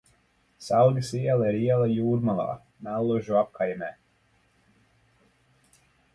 Selgas iela ir iela Jūrmalā, Mellužu apkaimē.